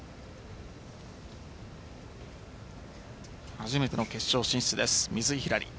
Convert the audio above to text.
初めての決勝進出です水井ひらり。